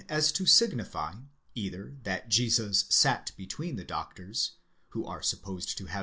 193° to signify, either that Jesus sat between the doctors, who are supposed to have